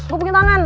gue punya tangan